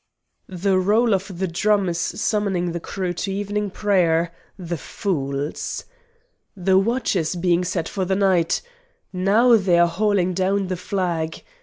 "The roll of the drum is summoning the crew to evening prayer. The fools! ... The watch is being set for the night. ... Now they are hauling down the flag.